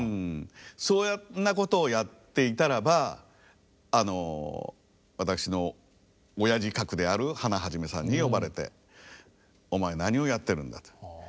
そんなことをやっていたらば私の親父格であるハナ肇さんに呼ばれて「お前何をやってるんだ」と。